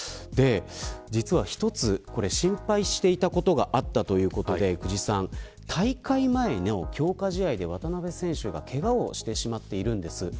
実は一つ心配していたことがあったということで大会前の強化試合で渡邊選手がけがをしてしまっているんです。